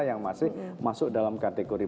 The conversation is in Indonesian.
yang masih masuk dalam kategori